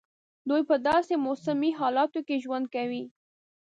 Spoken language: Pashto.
دوی په داسي موسمي حالاتو کې ژوند کوي.